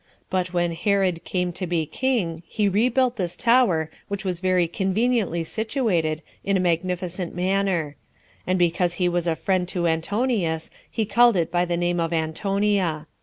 But when Herod came to be king, he rebuilt this tower, which was very conveniently situated, in a magnificent manner; and because he was a friend to Antonius, he called it by the name of Antonia.